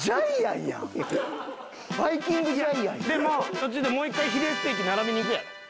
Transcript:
途中でもう一回ヒレステーキ並びに行くやろ。